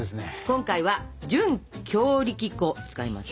今回は準強力粉を使います。